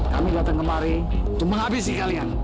kami datang kemari cuma ngabisin kalian